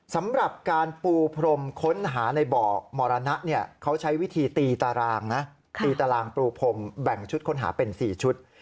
สำหรับการปูพรมค้นหาในบ่อมรณะเขาใช้วิธีตีตารางนะตีตารางปูพรมแบ่งชุดค้นหาเป็น๔ชุด